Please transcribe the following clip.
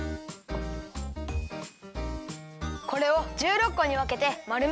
これを１６こにわけてまるめるよ。